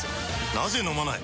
なぜ飲まない？